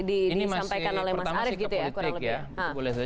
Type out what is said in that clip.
ini masih ke politik